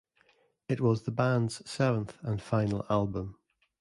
It was the band's seventh and final album.